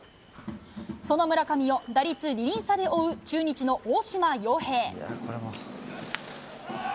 その村上を打率２厘差で追う中日の大島洋平。